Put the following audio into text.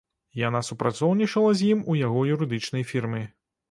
Яна супрацоўнічала з ім у яго юрыдычнай фірмы.